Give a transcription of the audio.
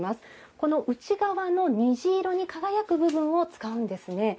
この内側の虹色に輝く部分を使うんですね。